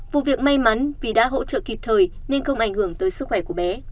vụ việc may mắn vì đã hỗ trợ kịp thời nên không ảnh hưởng tới sức khỏe của bé